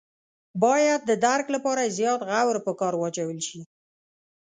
باید د درک لپاره یې زیات غور په کار واچول شي.